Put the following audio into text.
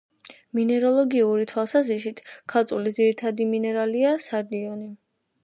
მინეროლოგიური თვალსაზრისით, ქალწულის ძირითადი მინერალია: სარდიონი.